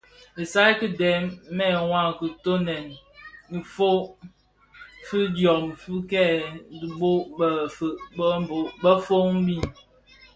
Isaï ki dèm, mëwa; kitoňèn, firob fidyom fi kè dhibo bëfœug befog mbiň,